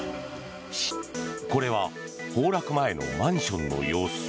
これは崩落前のマンションの様子。